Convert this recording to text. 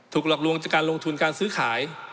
หลอกลวงจากการลงทุนการซื้อขาย